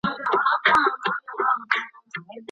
ما د موسیقۍ زده کړه کړې ده.